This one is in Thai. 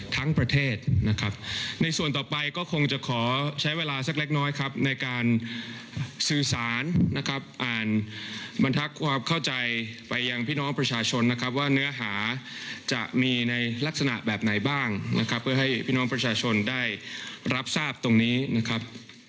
ทั้งประเทศนะครับในส่วนต่อไปก็คงจะขอใช้เวลาสักเล็กน้อยครับในการสื่อสารนะครับอ่านบรรทักความเข้าใจไปยังพี่น้องประชาชนนะครับว่าเนื้อหาจะมีในลักษณะแบบไหนบ้างนะครับเพื่อให้พี่น้องประชาชนได้รับทราบตรงนี้นะครับ